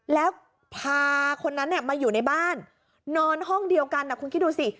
แล้วพาคนนั้นมาอยู่ในบ้านนอนห้องเดียวกันคุณคิดดูสิ